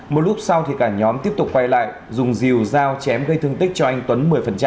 một lúc sau thì cả nhóm tiếp tục quay lại dùng rìu dao chém gây thương tích cho anh tuấn một mươi